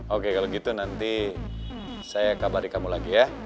oke kalau gitu nanti saya kabari kamu lagi ya